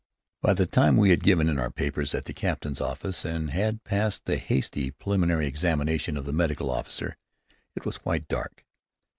By the time we had given in our papers at the captain's office and had passed the hasty preliminary examination of the medical officer, it was quite dark.